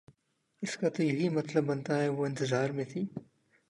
اس کا تو یہی مطلب بنتا ہے وہ انتظار میں تھی